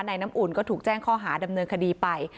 น้ำอุ่นก็ถูกแจ้งข้อหาดำเนินคดีไป